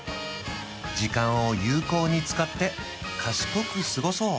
時間を有効に使って賢く過ごそう